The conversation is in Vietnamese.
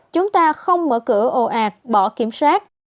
chúng ta không mở cửa ồ ạt bỏ kiểm soát